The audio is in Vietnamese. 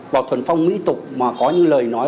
vào thuần phong mỹ tục mà có những lời nói